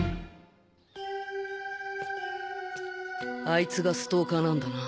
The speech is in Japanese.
あいつがストーカーなんだな？